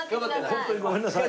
ホントにごめんなさい。